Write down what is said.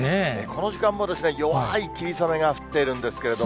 この時間も弱い霧雨が降っているんですけれども。